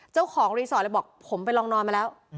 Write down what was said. เจ้าของรีสอร์ทเลยบอกผมไปลองนอนมาแล้ว